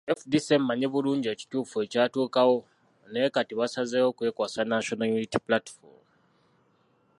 FDC emanyi bulungi ekituufu ekyatuukawo naye kati baasazeewo kwekwasa National Unity Platform